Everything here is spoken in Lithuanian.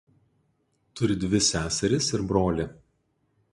Turi dvi seseris ir brolį.